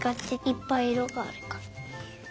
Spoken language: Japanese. いっぱいいろがあるから。